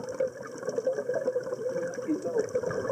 ھون کيلو